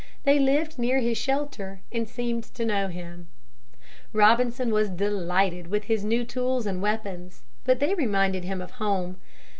They lived near his shelter and seemed to know him. Robinson was delighted with his new tools and weapons. But they reminded him of home.